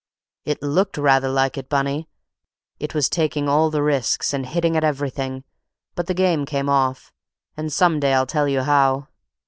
"It looked rather like it, Bunny. It was taking all the risks, and hitting at everything. But the game came off, and some day I'll tell you how."